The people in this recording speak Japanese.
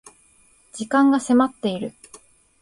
時間が迫っている